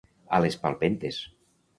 A les palpentes.